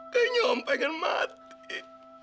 kayaknya om pengen mati